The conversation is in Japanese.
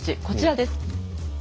こちらです。